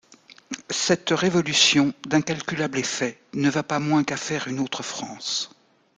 Cette révolution, d'incalculable effet, ne va pas moins qu'à faire une autre France.